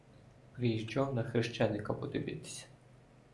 Приїжджав на хрещеника подивитися.